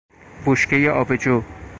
بشکهی آبجو